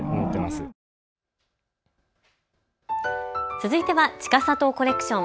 続いては、ちかさとコレクション。